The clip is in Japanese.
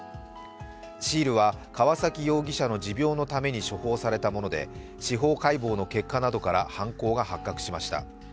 シールは川崎容疑者の持病のために処方されたもので司法解剖の結果などから犯行が発覚しました。